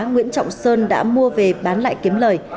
nguyễn trọng sơn đã mua về bán lại kiếm lời